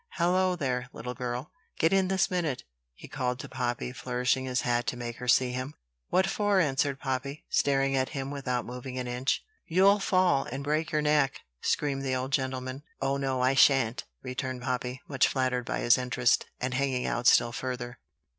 Hallo, there! little girl; get in this minute!" he called to Poppy, flourishing his hat to make her see him. "What for?" answered Poppy, staring at him without moving an inch. "You'll fall, and break your neck!" screamed the old gentleman. "Oh, no, I shan't!" returned Poppy, much flattered by his interest, and hanging out still further.